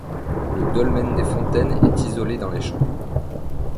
Le dolmen des Fontaines est isolé dans les champs.